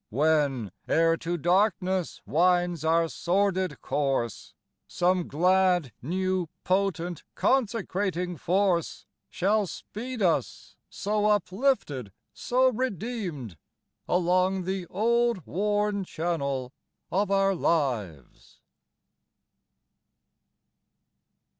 When, ere to darkness winds our sordid course, Some glad, new, potent, consecrating force Shall speed us, so uplifted, so redeemed, Along the old worn channel of our lives.